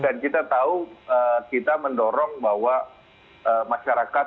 dan kita tahu kita mendorong bahwa masyarakat